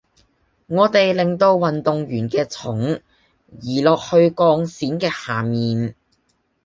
我哋令到運動員嘅重移落去鋼線嘅下面